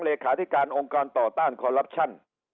เลขาธิการองค์การต่อต้านคอลลับชั่น